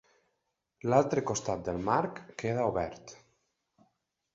L'altre costat del marc queda obert.